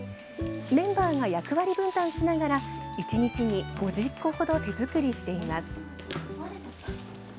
メンバーが役割分担しながら１日に５０個程手作りしています。